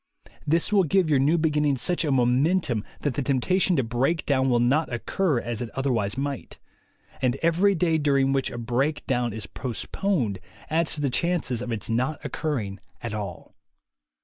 This will give your new beginning such a momentum that the temptation to break down will not occur as it other wise might; and every day during which a break down is postponed adds to the chances of its not occurring at all."